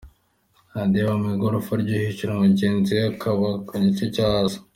Radio aba mu igorofa ryo hejuru mugenzi we akaba mu gice cyo hasi.